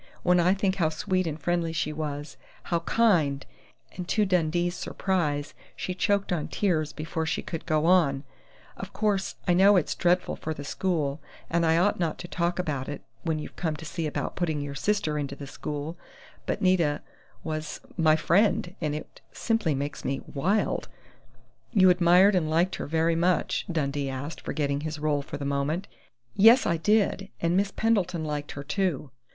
When I think how sweet and friendly she was, how how kind!" and to Dundee's surprise she choked on tears before she could go on: "Of course I know it's dreadful for the school, and I ought not to talk about it, when you've come to see about putting your sister into the school, but Nita was my friend, and it simply makes me wild " "You admired and liked her very much?" Dundee asked, forgetting his role for the moment. "Yes, I did! And Miss Pendleton liked her, too.